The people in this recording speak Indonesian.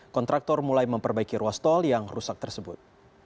kontraktor mulai memperbaiki ruas tol yang rusak tersebut